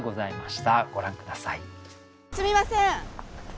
すみません。